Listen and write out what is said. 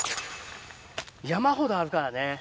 山ほどあるからね。